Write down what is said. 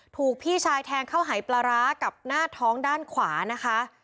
ถูกพี่ชายแทงเข้าหายปลาร้ากับหน้าท้องด้านขวานะคะ